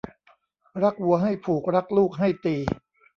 รักวัวให้ผูกรักลูกให้ตี